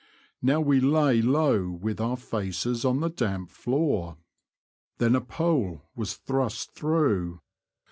Now we lay low with our faces on the damp floor. Then a pole was thrust through.